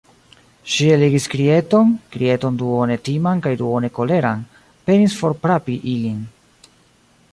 Ŝi eligis krieton, krieton duone timan kaj duone koleran, penis forfrapi ilin.